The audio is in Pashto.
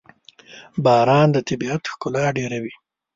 باران د طبیعت ښکلا ډېروي.